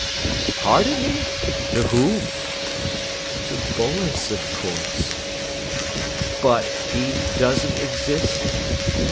"Pardon me to whom?" "To Boles, of course." "But he doesn't exist."